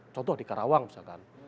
contoh di karawang misalkan